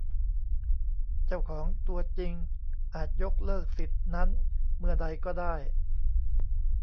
เจ้าของตัวจริงอาจยกเลิกสิทธิ์นั้นเมื่อใดก็ได้